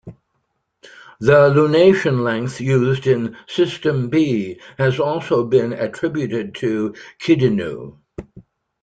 The lunation length used in System B has also been attributed to Kidinnu.